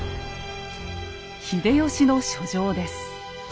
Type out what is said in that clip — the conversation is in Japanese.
秀吉の書状です。